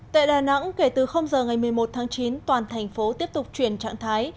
tại đà nẵng kể từ giờ ngày một mươi một tháng chín toàn thành phố tiếp tục chuyển trạng thái